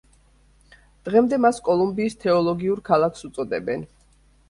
დღემდე მას კოლუმბიის თეოლოგიურ ქალაქს უწოდებენ.